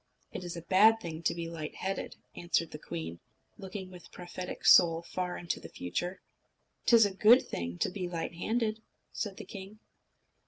"It is a bad thing to be light headed," answered the queen, looking with prophetic soul far into the future. "'T is a good thing to be light handed," said the king.